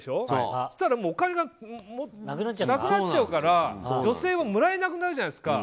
そしたらお金がなくなっちゃうから女性はもらえなくなるじゃないですか。